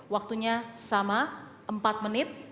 waktunya sama empat menit